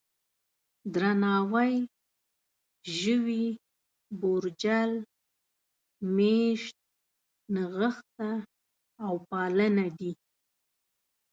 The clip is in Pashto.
درناوی، ژوي، بورجل، مېشت، نغښته او پالنه دي.